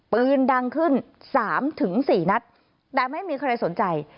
ปืนดังขึ้น๓๔นัดแต่ไม่มีใครสนใจ